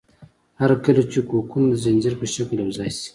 هر کله چې کوکونه د ځنځیر په شکل یوځای شي.